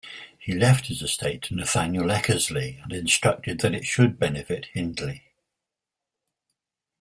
He left his estate to Nathaniel Eckersley and instructed that it should benefit Hindley.